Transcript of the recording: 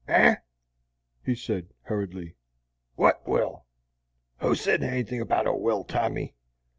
"Eh?" he said, hurriedly, "wot will? Who said anythin' 'bout a will, Tommy?"